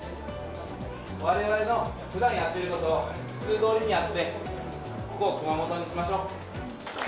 われわれのふだんやっていることを普通どおりにやって、ここを熊本にしましょう。